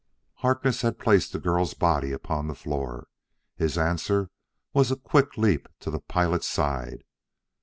Harkness had placed the girl's body upon the floor. His answer was a quick leap to the pilot's side.